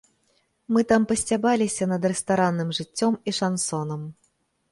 Мы там пасцябаліся над рэстаранным жыццём і шансонам.